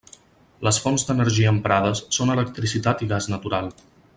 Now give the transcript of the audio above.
Les fonts d'energia emprades són electricitat i gas natural.